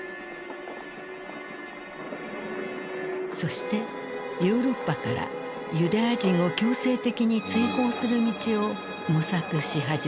そしてヨーロッパからユダヤ人を強制的に追放する道を模索し始めた。